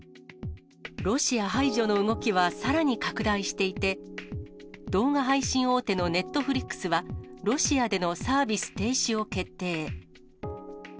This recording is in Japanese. ロシア排除の動きは、さらに拡大していて、動画配信大手のネットフリックスは、ロシアでのサービス停止を決定。